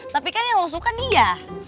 tapi kan yang lo suka dia